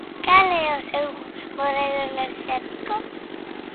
¿Cal é o seu modelo enerxético?